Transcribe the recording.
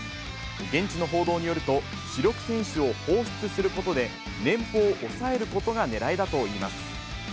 現地の報道によると、主力選手を放出することで、年俸を抑えることがねらいだといいます。